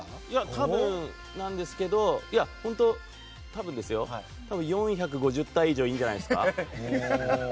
多分なんですけど４５０体以上いるんじゃないですか？